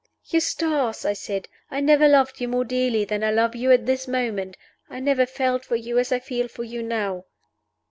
"Eustace!" I said, "I never loved you more dearly than I love you at this moment! I never felt for you as I feel for you now!"